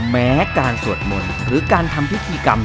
แม้การสวดมนต์หรือการทำพิธีกรรม